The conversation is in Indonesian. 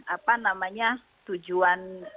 apa namanya tujuan